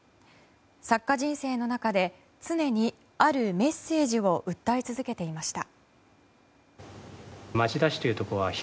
作家人生の中で常に、あるメッセージを訴え続けていました。